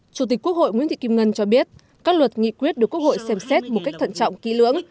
chủ tịch quốc hội nguyễn thị kim ngân cho biết các luật nghị quyết được quốc hội xem xét một cách thận trọng kỹ lưỡng